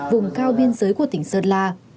vùng cao biên giới của tỉnh sơn la